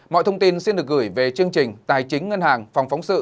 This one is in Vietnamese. mọi thông tin xin được gửi về chương trình tài chính ngân hàng phòng phóng sự